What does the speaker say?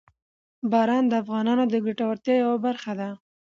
باران د افغانانو د ګټورتیا یوه برخه ده.